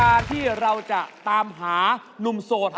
รายการที่เราจะตามหานุ่มโสดให้กับสาวโสดของเรา